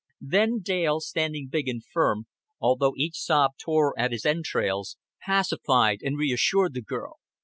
Then Dale, standing big and firm, although each sob tore at his entrails, pacified and reassured the girl.